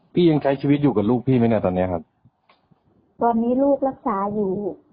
ยังใช้ชีวิตอยู่กับลูกพี่ไหมเนี่ยตอนเนี้ยครับตอนนี้ลูกรักษาอยู่